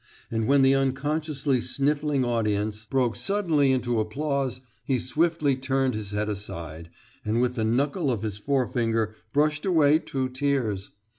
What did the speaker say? And when the unconsciously sniffling audience broke suddenly into applause, he swiftly turned his head aside, and with the knuckle of his forefinger brushed away two tears.